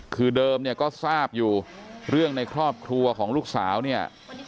คือเดิมเนี่ยก็ทราบอยู่เรื่องในครอบครัวของลูกสาวเนี่ย